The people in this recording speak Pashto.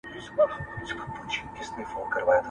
پلار زوی ته کوم درس ورکړ؟